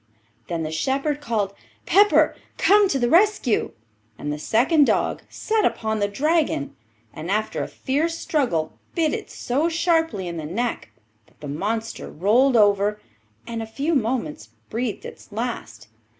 Then the shepherd called, 'Pepper, come to the rescue,' and the second dog set upon the dragon, and after a fierce struggle bit it so sharply in the neck that the monster rolled over, and in a few moments breathed its last.